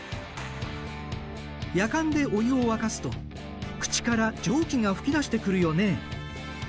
やかんでお湯を沸かすと口から蒸気が噴き出してくるよね。